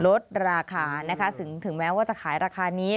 ลดราคานะคะถึงแม้ว่าจะขายราคานี้